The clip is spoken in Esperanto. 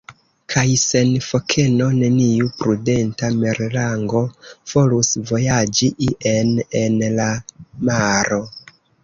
Kaj sen fokeno neniu prudenta merlango volus vojaĝi ien en la maro.